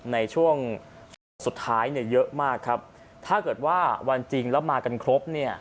ในช่วงสุดท้ายเนี่ยเยอะมากครับถ้าเกิดว่าวันจริงแล้วมากันครบเนี่ย